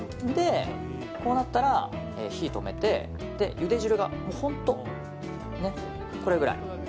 こうなったら、火を止めてゆで汁が本当にこれぐらい。